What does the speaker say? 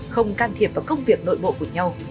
không can thiệp vào công việc nội bộ của nhau